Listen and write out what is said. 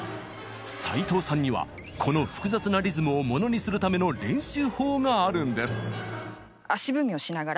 齋藤さんにはこの複雑なリズムをモノにするための練習法があるんです！